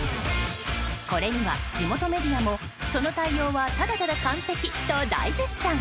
これには地元メディアもその対応はただただ完璧と大絶賛。